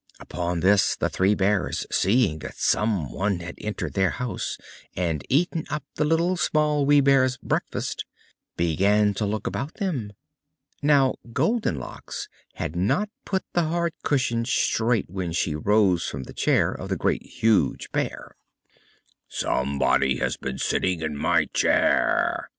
Upon this the Three Bears, seeing that someone had entered their house, and eaten up the Little, Small, Wee Bear's breakfast, began to look about them. Now Goldenlocks had not put the hard cushion straight when she rose from the chair of the Great, Huge Bear. "SOMEBODY HAS BEEN SITTING IN MY CHAIR!"